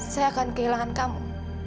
saya akan kehilangan kamu